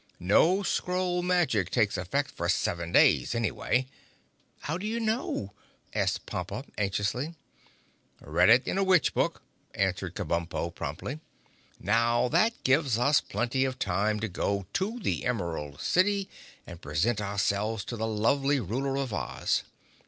No scroll magic takes effect for seven days, anyway!" "How do you know?" asked Pompa anxiously. "Read it in a witch book," answered Kabumpo promptly. "Now, that gives us plenty of time to go to the Emerald City and present ourselves to the lovely ruler of Oz.